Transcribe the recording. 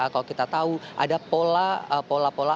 kalau kita tahu ada pola pola